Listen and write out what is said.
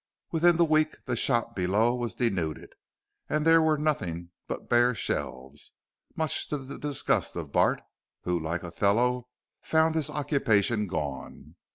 Within the week the shop below was denuded, and there were nothing but bare shelves, much to the disgust of Bart, who, like Othello, found his occupation gone.